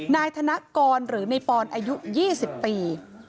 นายธนกรหรือในปอนอายุ๒๐ปี